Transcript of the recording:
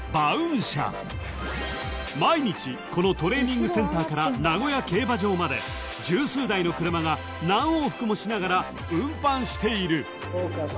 ［毎日このトレーニングセンターから名古屋競馬場まで十数台の車が何往復もしながら運搬している］